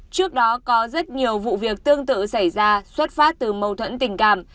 trước đó có rất nhiều vụ việc tương tự xảy ra xuất phát từ mâu thuẫn tình cảm